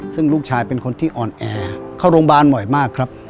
ซึ่งลูกชายเป็นคนที่อ่อนแอเข้าโรงพยาบาลบ่อยมากครับ